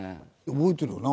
覚えてるよな。